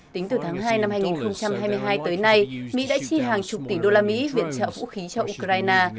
tính từ tháng hai năm hai nghìn hai mươi hai tới nay mỹ đã chi hàng chục tỷ đô la mỹ viện trợ vũ khí cho ukraine